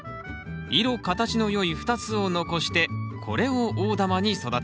色形の良い２つを残してこれを大玉に育てます。